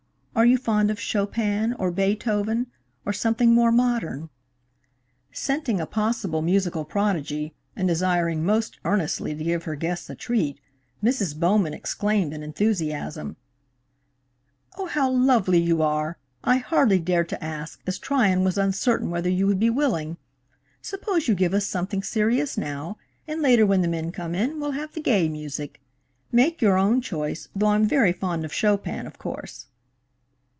Are you fond of Chopin, or Beethoven, or something more modern?" Scenting a possible musical prodigy, and desiring most earnestly to give her guests a treat, Mrs. Bowman exclaimed in enthusiasm: "Oh, how lovely of you! I hardly dared to ask, as Tryon was uncertain whether you would be willing. Suppose you give us something serious now, and later, when the men come in, we'll have the gay music. Make your own choice, though I'm very fond of Chopin, of course."